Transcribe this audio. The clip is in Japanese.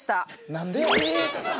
何で？